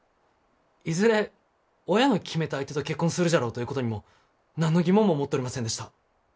いずれ親の決めた相手と結婚するじゃろうということにも何の疑問も持っとりませんでした。